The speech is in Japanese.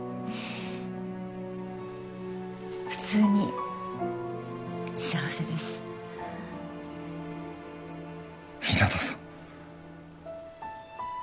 普通に幸せです日向さん